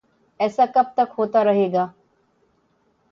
ایسا کب تک ہوتا رہے گا؟